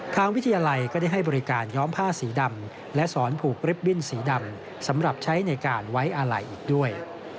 วิทยาลัยก็ได้ให้บริการย้อมผ้าสีดำและสอนผูกริบบิ้นสีดำสำหรับใช้ในการไว้อาลัยอีกด้วย